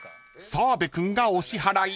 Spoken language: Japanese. ［澤部君がお支払い］